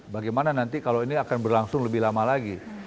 bagaimana nanti kalau ini akan berlangsung lebih lama lagi